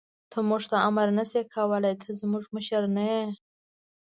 ته موږ ته امر نه شې کولای، ته زموږ مشر نه یې.